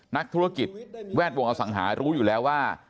นักธุรกิจแวดวงอสังหารู้อยู่แล้วว่า